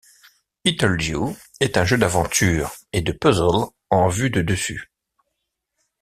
Ittle Dew est un jeu d'aventure et de puzzles en vue de dessus.